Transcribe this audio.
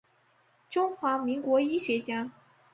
中华民国医学家。